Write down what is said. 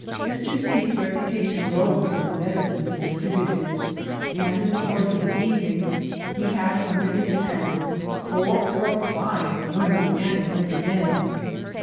Mr. C.'s reputation rose with the medicines he distributed ; and in the course of the evening he had under his hands four or five women and as many men.